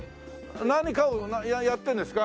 何かをやってるんですか？